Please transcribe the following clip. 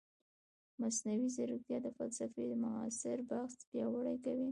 مصنوعي ځیرکتیا د فلسفې معاصر بحث پیاوړی کوي.